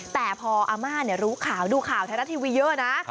แต่พออาม่าเนี่ยรู้ข่าวดูข่าวแทนะทีวีเยอะนะ